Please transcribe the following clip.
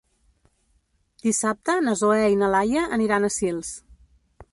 Dissabte na Zoè i na Laia aniran a Sils.